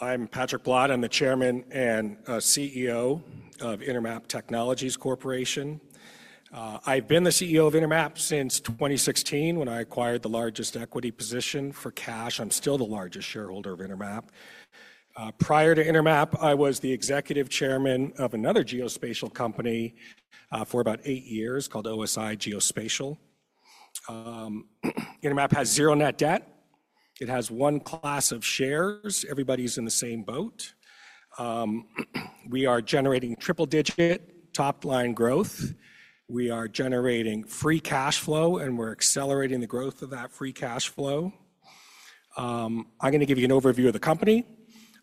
I'm Patrick Blott. I'm the Chairman and CEO of Intermap Technologies Corporation. I've been the CEO of Intermap since 2016, when I acquired the largest equity position for cash. I'm still the largest shareholder of Intermap. Prior to Intermap, I was the Executive Chairman of another geospatial company for about eight years called OSI Geospatial. Intermap has zero net debt. It has one class of shares. Everybody's in the same boat. We are generating triple-digit top-line growth. We are generating free cash flow, and we're accelerating the growth of that free cash flow. I'm going to give you an overview of the company.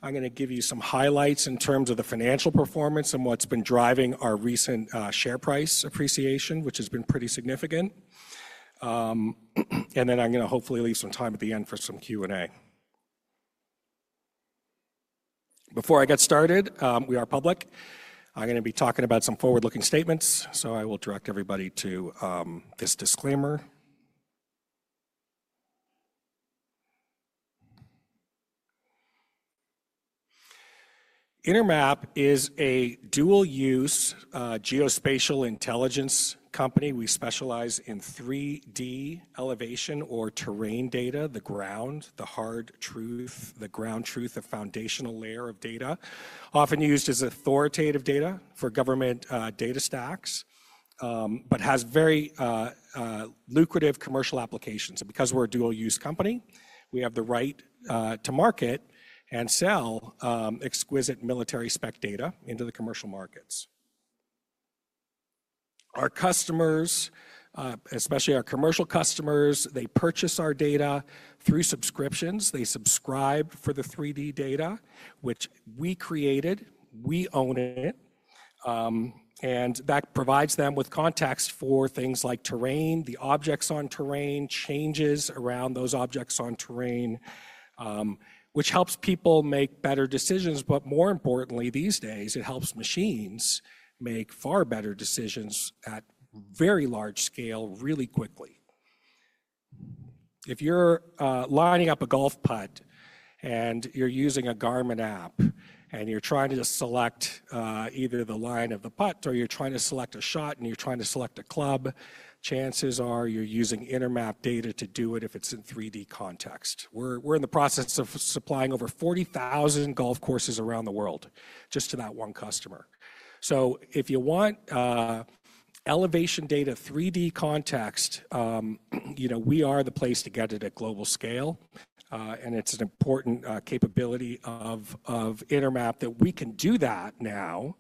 I'm going to give you some highlights in terms of the financial performance and what's been driving our recent share price appreciation, which has been pretty significant. I am going to hopefully leave some time at the end for some Q&A. Before I get started, we are public. I'm going to be talking about some forward-looking statements, so I will direct everybody to this disclaimer. Intermap is a dual-use geospatial intelligence company. We specialize in 3D elevation or terrain data, the ground, the hard truth, the ground truth, the foundational layer of data, often used as authoritative data for government data stacks, but has very lucrative commercial applications. Because we're a dual-use company, we have the right to market and sell exquisite military spec data into the commercial markets. Our customers, especially our commercial customers, they purchase our data through subscriptions. They subscribe for the 3D data, which we created. We own it. That provides them with context for things like terrain, the objects on terrain, changes around those objects on terrain, which helps people make better decisions. More importantly, these days, it helps machines make far better decisions at very large scale, really quickly. If you're lining up a golf putt, and you're using a Garmin app, and you're trying to select either the line of the putt, or you're trying to select a shot, and you're trying to select a club, chances are you're using Intermap data to do it if it's in 3D context. We're in the process of supplying over 40,000 golf courses around the world just to that one customer. If you want elevation data, 3D context, we are the place to get it at global scale. It's an important capability of Intermap that we can do that now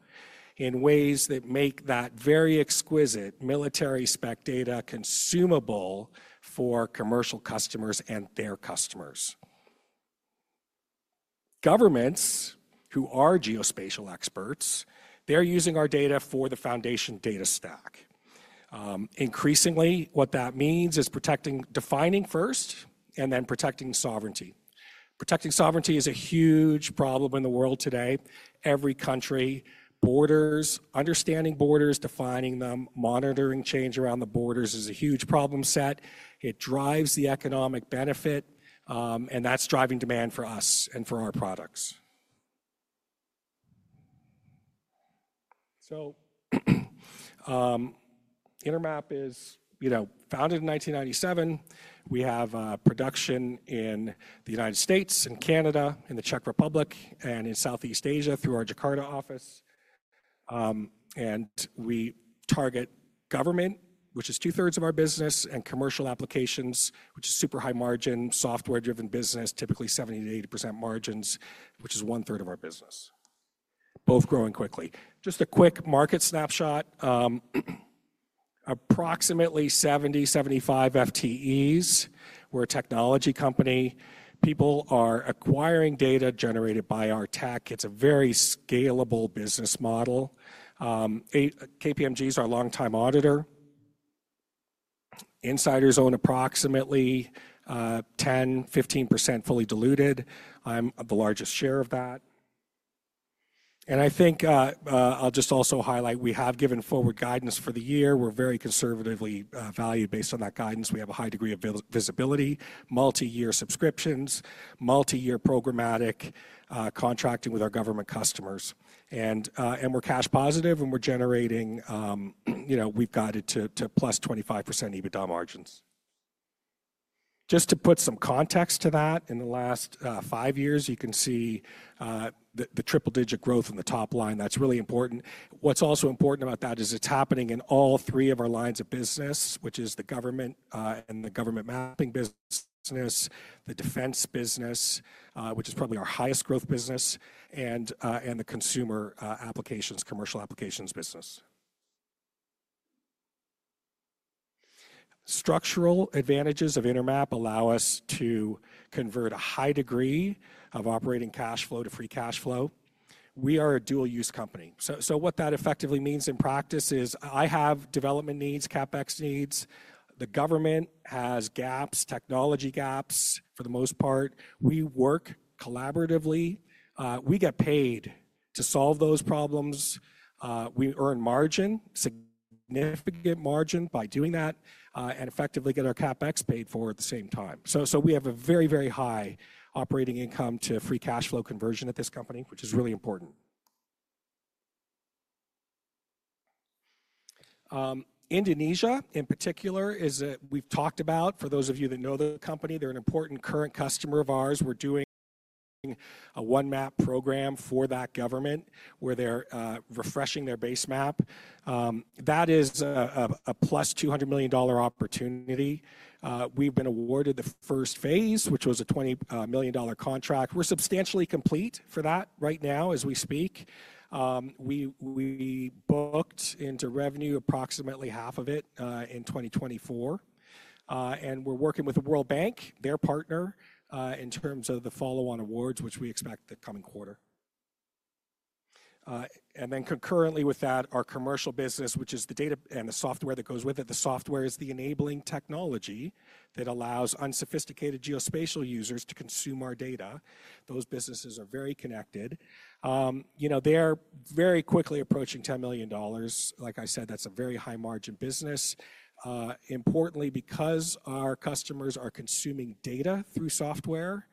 in ways that make that very exquisite military spec data consumable for commercial customers and their customers. Governments who are geospatial experts, they're using our data for the foundation data stack. Increasingly, what that means is defining first and then protecting sovereignty. Protecting sovereignty is a huge problem in the world today. Every country, borders, understanding borders, defining them, monitoring change around the borders is a huge problem set. It drives the economic benefit, and that is driving demand for us and for our products. Intermap is founded in 1997. We have production in the United States, in Canada, in the Czech Republic, and in Southeast Asia through our Jakarta office. We target government, which is two-thirds of our business, and commercial applications, which is super high margin, software-driven business, typically 70-80% margins, which is one-third of our business. Both growing quickly. Just a quick market snapshot. Approximately 70-75 FTEs. We are a technology company. People are acquiring data generated by our tech. It is a very scalable business model. KPMG is our long-time auditor. Insiders own approximately 10-15% fully diluted. I'm the largest share of that. I think I'll just also highlight we have given forward guidance for the year. We're very conservatively valued based on that guidance. We have a high degree of visibility, multi-year subscriptions, multi-year programmatic contracting with our government customers. We're cash positive, and we're generating, we've got it to plus 25% EBITDA margins. Just to put some context to that, in the last five years, you can see the triple-digit growth in the top line. That's really important. What's also important about that is it's happening in all three of our lines of business, which is the government and the government mapping business, the defense business, which is probably our highest growth business, and the consumer applications, commercial applications business. Structural advantages of Intermap allow us to convert a high degree of operating cash flow to free cash flow. We are a dual-use company. What that effectively means in practice is I have development needs, CapEx needs. The government has gaps, technology gaps, for the most part. We work collaboratively. We get paid to solve those problems. We earn margin, significant margin by doing that and effectively get our CapEx paid for at the same time. We have a very, very high operating income to free cash flow conversion at this company, which is really important. Indonesia, in particular, as we've talked about, for those of you that know the company, they're an important current customer of ours. We're doing a OneMap program for that government where they're refreshing their base map. That is a $200 million-plus opportunity. We've been awarded the first phase, which was a $20 million contract. We're substantially complete for that right now as we speak. We booked into revenue approximately half of it in 2024. We're working with the World Bank, their partner, in terms of the follow-on awards, which we expect the coming quarter. Concurrently with that, our commercial business, which is the data and the software that goes with it. The software is the enabling technology that allows unsophisticated geospatial users to consume our data. Those businesses are very connected. They are very quickly approaching $10 million. Like I said, that's a very high-margin business. Importantly, because our customers are consuming data through software,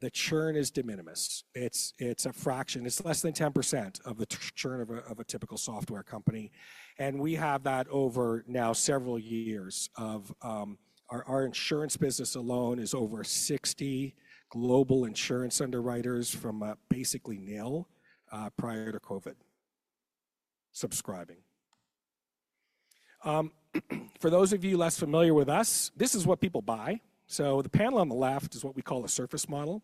the churn is de minimis. It's a fraction. It's less than 10% of the churn of a typical software company. Over now several years of our insurance business alone, we have over 60 global insurance underwriters from basically nil prior to COVID subscribing. For those of you less familiar with us, this is what people buy. The panel on the left is what we call a surface model.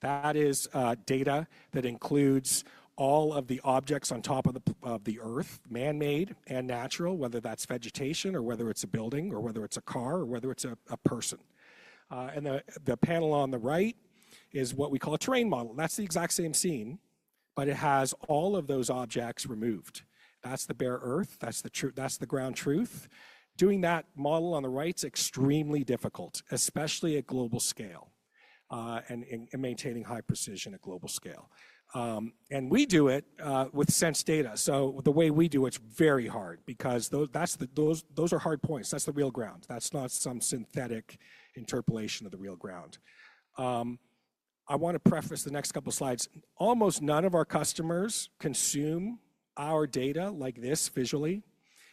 That is data that includes all of the objects on top of the Earth, manmade and natural, whether that is vegetation, or whether it is a building, or whether it is a car, or whether it is a person. The panel on the right is what we call a terrain model. That is the exact same scene, but it has all of those objects removed. That is the bare Earth. That is the ground truth. Doing that model on the right is extremely difficult, especially at global scale, and maintaining high precision at global scale. We do it with sensed data. The way we do it is very hard because those are hard points. That's the real ground. That's not some synthetic interpolation of the real ground. I want to preface the next couple of slides. Almost none of our customers consume our data like this visually.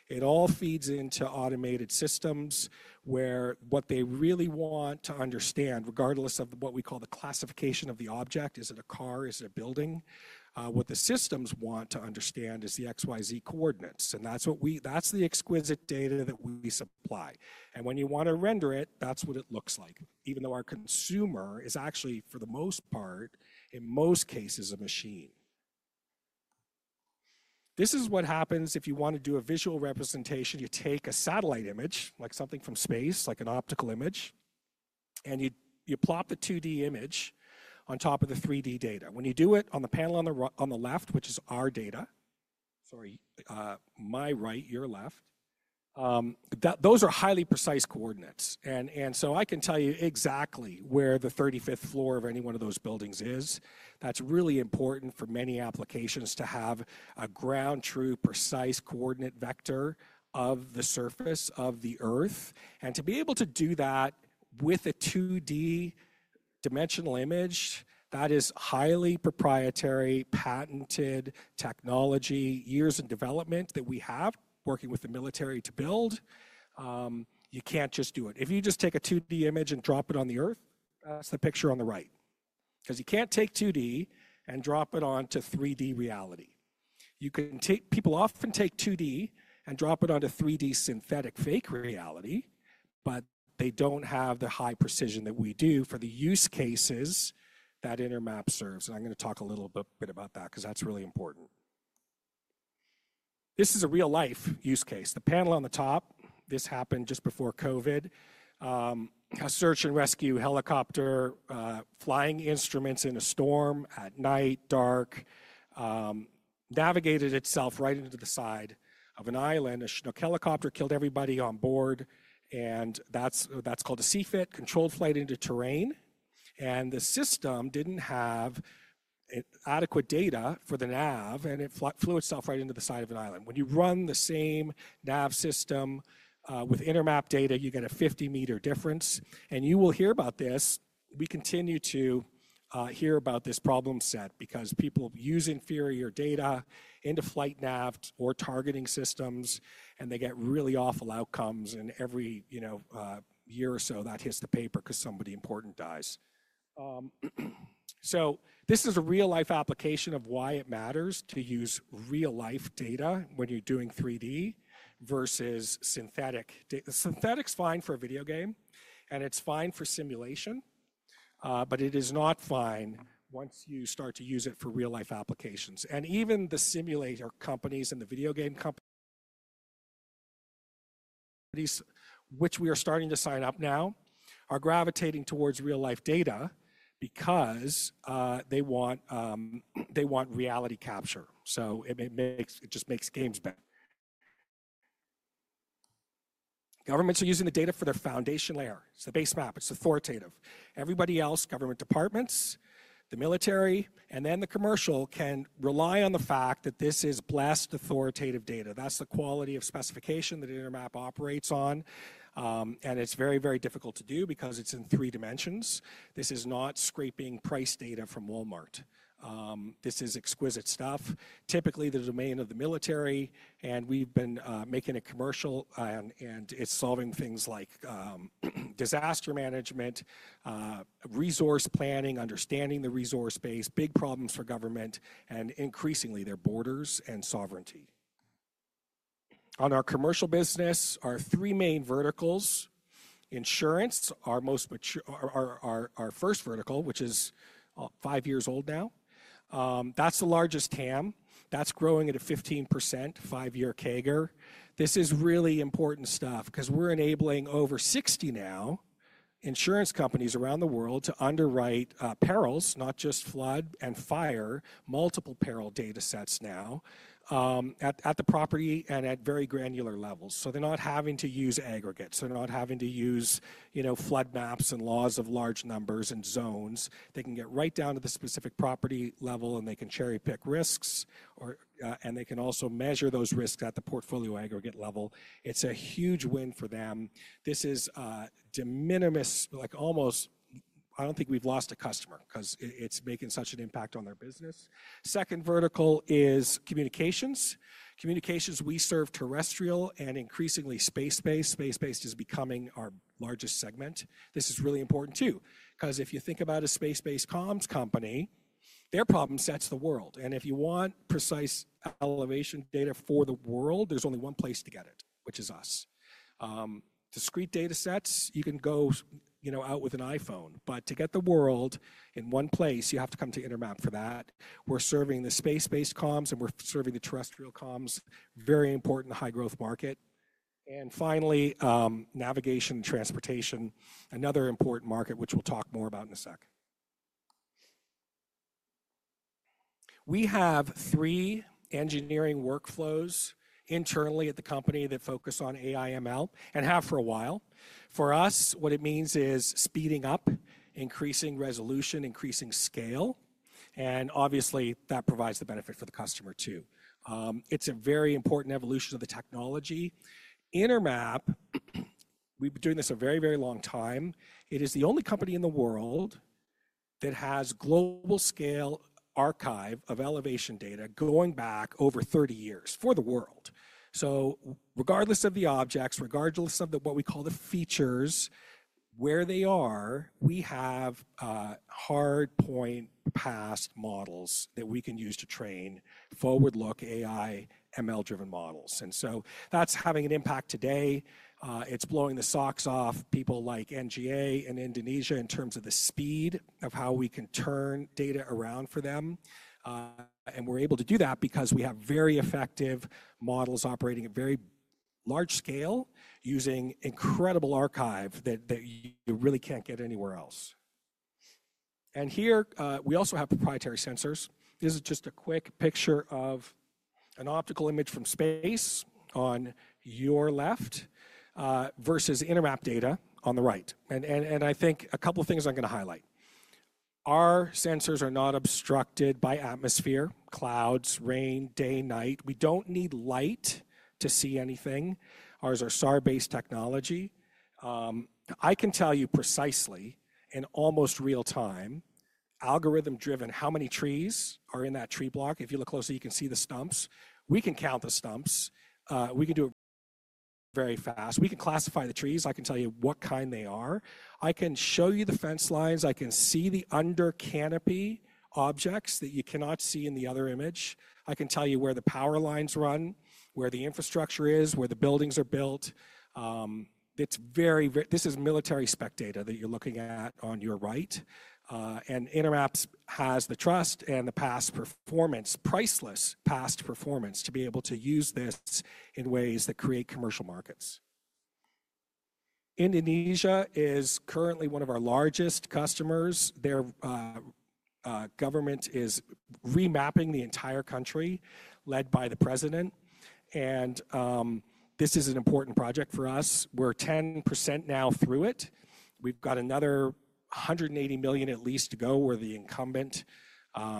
It all feeds into automated systems where what they really want to understand, regardless of what we call the classification of the object, is it a car, is it a building, what the systems want to understand is the XYZ coordinates. That's the exquisite data that we supply. When you want to render it, that's what it looks like, even though our consumer is actually, for the most part, in most cases, a machine. This is what happens if you want to do a visual representation. You take a satellite image, like something from space, like an optical image, and you plop the 2D image on top of the 3D data. When you do it on the panel on the left, which is our data, sorry, my right, your left, those are highly precise coordinates. I can tell you exactly where the 35th floor of any one of those buildings is. That's really important for many applications to have a ground truth, precise coordinate vector of the surface of the Earth. To be able to do that with a 2D dimensional image, that is highly proprietary, patented technology, years in development that we have working with the military to build. You can't just do it. If you just take a 2D image and drop it on the Earth, that's the picture on the right. Because you can't take 2D and drop it onto 3D reality. People often take 2D and drop it onto 3D synthetic fake reality, but they don't have the high precision that we do for the use cases that Intermap serves. I'm going to talk a little bit about that because that's really important. This is a real-life use case. The panel on the top, this happened just before COVID. A search and rescue helicopter flying instruments in a storm at night, dark, navigated itself right into the side of an island. A helicopter killed everybody on board. That's called a CFIT, controlled flight into terrain. The system didn't have adequate data for the nav, and it flew itself right into the side of an island. When you run the same nav system with Intermap data, you get a 50 m difference. You will hear about this. We continue to hear about this problem set because people use inferior data into flight nav or targeting systems, and they get really awful outcomes. Every year or so, that hits the paper because somebody important dies. This is a real-life application of why it matters to use real-life data when you're doing 3D versus synthetic. Synthetic's fine for a video game, and it's fine for simulation, but it is not fine once you start to use it for real-life applications. Even the simulator companies and the video game companies, which we are starting to sign up now, are gravitating towards real-life data because they want reality capture. It just makes games better. Governments are using the data for their foundation layer. It's the base map. It's authoritative. Everybody else, government departments, the military, and then the commercial can rely on the fact that this is blessed authoritative data. That's the quality of specification that Intermap operates on. It's very, very difficult to do because it's in three dimensions. This is not scraping price data from Walmart. This is exquisite stuff. Typically, the domain of the military. We've been making it commercial, and it's solving things like disaster management, resource planning, understanding the resource base, big problems for government, and increasingly their borders and sovereignty. On our commercial business, our three main verticals, insurance, our first vertical, which is five years old now, that's the largest TAM. That's growing at a 15% five-year CAGR. This is really important stuff because we're enabling over 60 now insurance companies around the world to underwrite perils, not just flood and fire, multiple peril data sets now at the property and at very granular levels. They're not having to use aggregates. They're not having to use flood maps and laws of large numbers and zones. They can get right down to the specific property level, and they can cherry-pick risks, and they can also measure those risks at the portfolio aggregate level. It's a huge win for them. This is de minimis, like almost I don't think we've lost a customer because it's making such an impact on their business. Second vertical is communications. Communications, we serve terrestrial and increasingly space-based. Space-based is becoming our largest segment. This is really important too because if you think about a space-based comms company, their problem sets the world. If you want precise elevation data for the world, there's only one place to get it, which is us. Discrete data sets, you can go out with an iPhone. To get the world in one place, you have to come to Intermap for that. We're serving the space-based comms, and we're serving the terrestrial comms, very important high-growth market. Finally, navigation and transportation, another important market, which we'll talk more about in a sec. We have three engineering workflows internally at the company that focus on AI/ML and have for a while. For us, what it means is speeding up, increasing resolution, increasing scale. Obviously, that provides the benefit for the customer too. It's a very important evolution of the technology. Intermap, we've been doing this a very, very long time. It is the only company in the world that has global scale archive of elevation data going back over 30 years for the world. Regardless of the objects, regardless of what we call the features, where they are, we have hard-point past models that we can use to train forward-look AI/ML-driven models. That is having an impact today. It is blowing the socks off people like NGA and Indonesia in terms of the speed of how we can turn data around for them. We are able to do that because we have very effective models operating at very large scale using incredible archive that you really cannot get anywhere else. Here, we also have proprietary sensors. This is just a quick picture of an optical image from space on your left versus Intermap data on the right. I think a couple of things I am going to highlight. Our sensors are not obstructed by atmosphere, clouds, rain, day, night. We don't need light to see anything. Ours are SAR-based technology. I can tell you precisely in almost real-time, algorithm-driven, how many trees are in that tree block. If you look closely, you can see the stumps. We can count the stumps. We can do it very fast. We can classify the trees. I can tell you what kind they are. I can show you the fence lines. I can see the under canopy objects that you cannot see in the other image. I can tell you where the power lines run, where the infrastructure is, where the buildings are built. This is military spec data that you're looking at on your right. Intermap has the trust and the past performance, priceless past performance to be able to use this in ways that create commercial markets. Indonesia is currently one of our largest customers. Their government is remapping the entire country led by the president. This is an important project for us. We're 10% now through it. We've got another $180 million at least to go where the incumbent.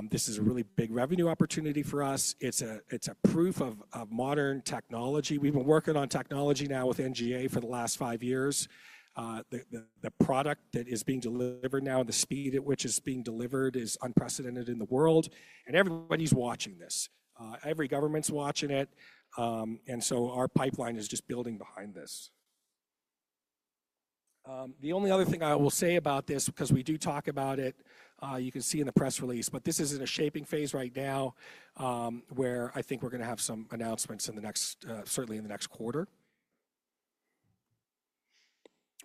This is a really big revenue opportunity for us. It's a proof of modern technology. We've been working on technology now with NGA for the last five years. The product that is being delivered now, the speed at which it's being delivered is unprecedented in the world. Everybody's watching this. Every government's watching it. Our pipeline is just building behind this. The only other thing I will say about this, because we do talk about it, you can see in the press release, but this is in a shaping phase right now where I think we're going to have some announcements certainly in the next quarter.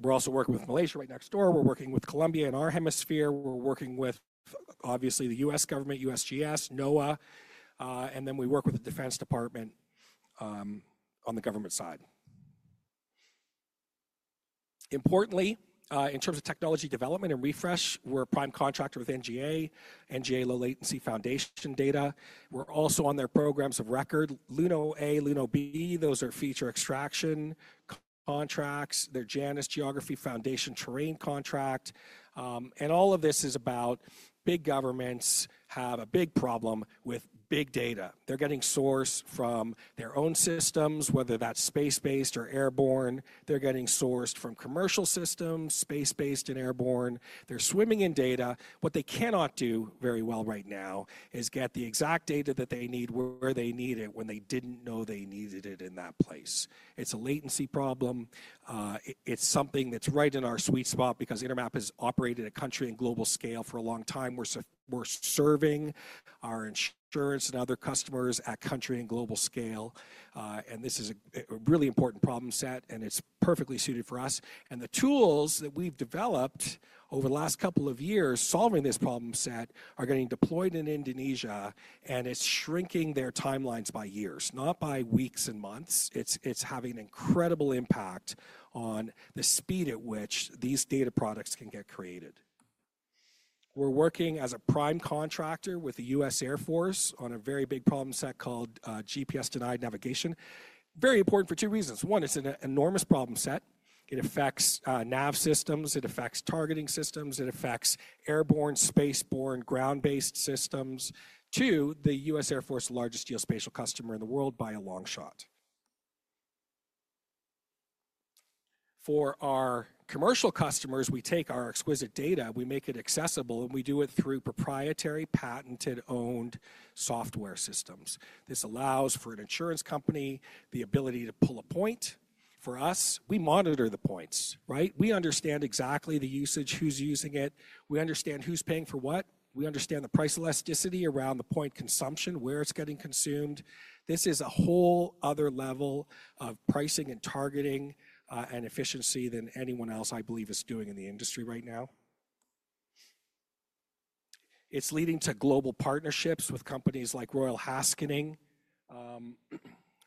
We're also working with Malaysia right next door. We're working with Colombia in our hemisphere. We're working with, obviously, the U.S. government, USGS, NOAA, and then we work with the Defense Department on the government side. Importantly, in terms of technology development and refresh, we're a prime contractor with NGA, NGA Low Latency Foundation data. We're also on their programs of record, LUNO-A, LUNO-B. Those are feature extraction contracts. They're JANUS Geography Foundation terrain contract. All of this is about big governments have a big problem with big data. They're getting sourced from their own systems, whether that's space-based or airborne. They're getting sourced from commercial systems, space-based and airborne. They're swimming in data. What they cannot do very well right now is get the exact data that they need where they need it when they didn't know they needed it in that place. It's a latency problem. It's something that's right in our sweet spot because Intermap has operated at country and global scale for a long time. We're serving our insurance and other customers at country and global scale. This is a really important problem set, and it's perfectly suited for us. The tools that we've developed over the last couple of years solving this problem set are getting deployed in Indonesia, and it's shrinking their timelines by years, not by weeks and months. It's having an incredible impact on the speed at which these data products can get created. We're working as a prime contractor with the U.S. Air Force on a very big problem set called GPS-denied navigation. Very important for two reasons. One, it's an enormous problem set. It affects nav systems. It affects targeting systems. It affects airborne, space-borne, ground-based systems. Two, the U.S. Air Force's largest geospatial customer in the world by a long shot. For our commercial customers, we take our exquisite data, we make it accessible, and we do it through proprietary patented owned software systems. This allows for an insurance company the ability to pull a point. For us, we monitor the points, right? We understand exactly the usage, who's using it. We understand who's paying for what. We understand the price elasticity around the point consumption, where it's getting consumed. This is a whole other level of pricing and targeting and efficiency than anyone else, I believe, is doing in the industry right now. It is leading to global partnerships with companies like Royal HaskoningDHV,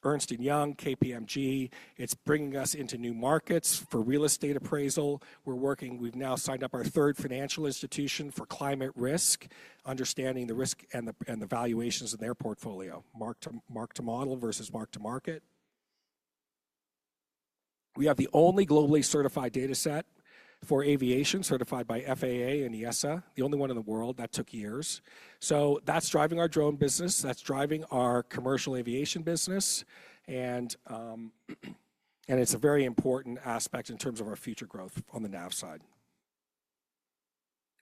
Ernst & Young, KPMG. It is bringing us into new markets for real estate appraisal. We have now signed up our third financial institution for climate risk, understanding the risk and the valuations in their portfolio, mark to model versus mark to market. We have the only globally certified data set for aviation certified by FAA and ESA, the only one in the world. That took years. That is driving our drone business. That is driving our commercial aviation business. It is a very important aspect in terms of our future growth on the nav side.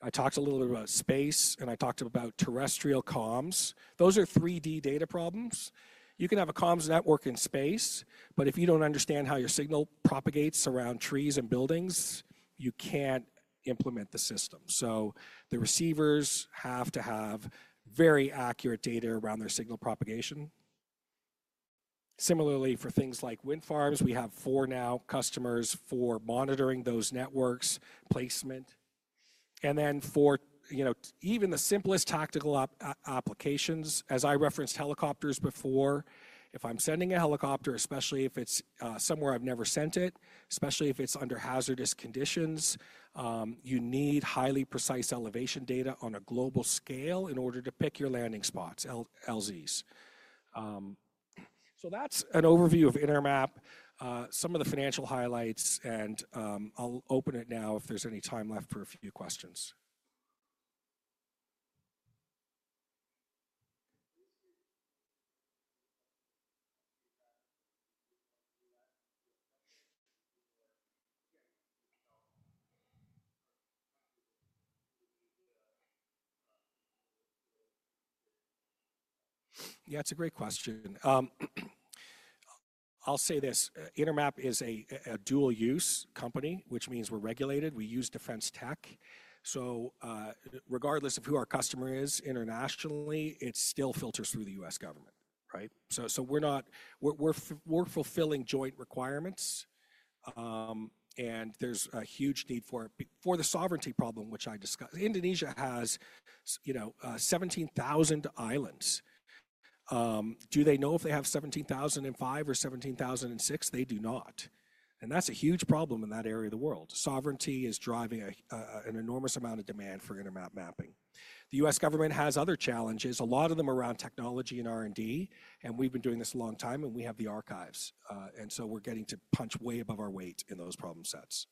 I talked a little bit about space, and I talked about terrestrial comms. Those are 3D data problems. You can have a comms network in space, but if you don't understand how your signal propagates around trees and buildings, you can't implement the system. The receivers have to have very accurate data around their signal propagation. Similarly, for things like wind farms, we have four now customers for monitoring those networks, placement, and then for even the simplest tactical applications. As I referenced helicopters before, if I'm sending a helicopter, especially if it's somewhere I've never sent it, especially if it's under hazardous conditions, you need highly precise elevation data on a global scale in order to pick your landing spots, LZs. That's an overview of Intermap, some of the financial highlights, and I'll open it now if there's any time left for a few questions. Yeah, it's a great question. I'll say this. Intermap is a dual-use company, which means we're regulated. We use defense tech. Regardless of who our customer is internationally, it still filters through the U.S. government, right? We are fulfilling joint requirements, and there is a huge need for it. For the sovereignty problem, which I discussed, Indonesia has 17,000 islands. Do they know if they have 17,005 or 17,006? They do not. That is a huge problem in that area of the world. Sovereignty is driving an enormous amount of demand for Intermap mapping. The U.S. government has other challenges, a lot of them around technology and R&D, and we have been doing this a long time, and we have the archives. We are getting to punch way above our weight in those problem sets.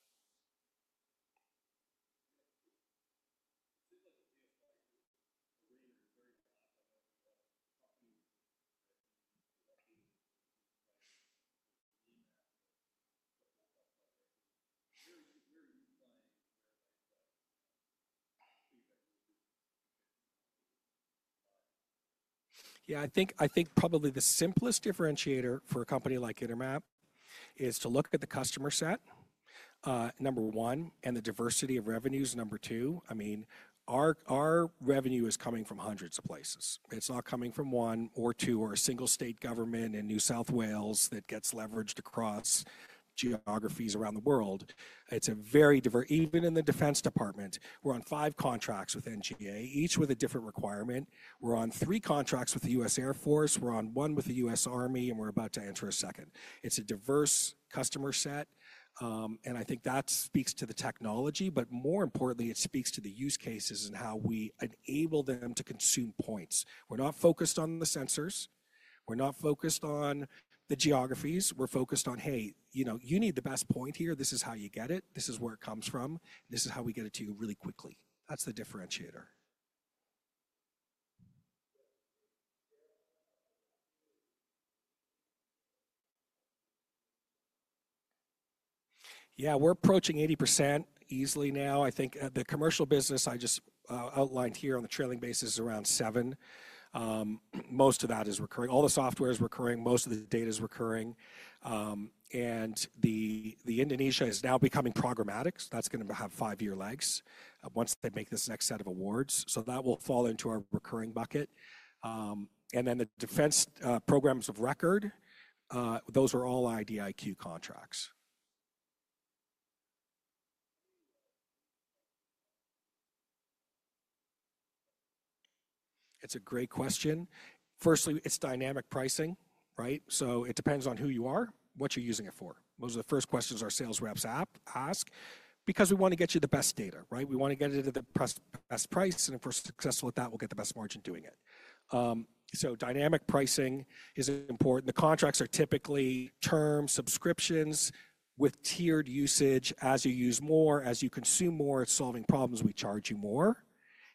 I think probably the simplest differentiator for a company like Intermap is to look at the customer set, number one, and the diversity of revenues, number two. I mean, our revenue is coming from hundreds of places. It's not coming from one or two or a single state government in New South Wales that gets leveraged across geographies around the world. It's very diverse even in the Defense Department. We're on five contracts with NGA, each with a different requirement. We're on three contracts with the U.S. Air Force. We're on one with the U.S. Army, and we're about to enter a second. It's a diverse customer set. I think that speaks to the technology, but more importantly, it speaks to the use cases and how we enable them to consume points. We're not focused on the sensors. We're not focused on the geographies. We're focused on, hey, you need the best point here. This is how you get it. This is where it comes from. This is how we get it to you really quickly. That's the differentiator. Yeah, we're approaching 80% easily now. I think the commercial business I just outlined here on the trailing basis is around seven. Most of that is recurring. All the software is recurring. Most of the data is recurring. Indonesia is now becoming programmatic. That's going to have five-year legs once they make this next set of awards. That will fall into our recurring bucket. The defense programs of record, those are all IDIQ contracts. It's a great question. Firstly, it's dynamic pricing, right? It depends on who you are, what you're using it for. Those are the first questions our sales reps ask because we want to get you the best data, right? We want to get it at the best price. If we're successful at that, we'll get the best margin doing it. Dynamic pricing is important. The contracts are typically term subscriptions with tiered usage. As you use more, as you consume more, it's solving problems. We charge you more.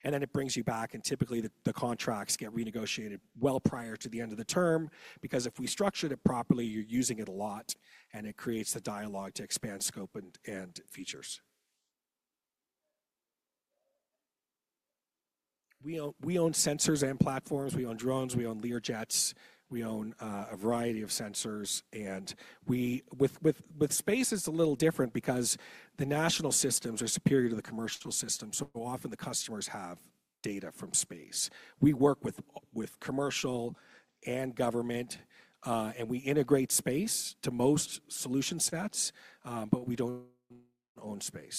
It brings you back. Typically, the contracts get renegotiated well prior to the end of the term because if we structured it properly, you're using it a lot, and it creates the dialogue to expand scope and features. We own sensors and platforms. We own drones. We own Learjets. We own a variety of sensors. With space, it's a little different because the national systems are superior to the commercial system. Often, the customers have data from space. We work with commercial and government, and we integrate space to most solution sets, but we don't own space.